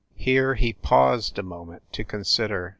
Here he paused a moment to con sider.